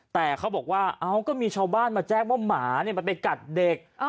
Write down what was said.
แต่เขาบอกว่าเอ้าก็มีชาวบ้านมาแจ้งว่าหมามันไปกัดเด็ก